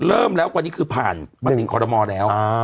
เริ่มแล้วกว่านี้คือผ่านบัตริงคอรมอร์แล้ว